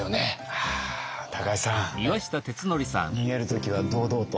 ああ高井さん逃げる時は堂々と。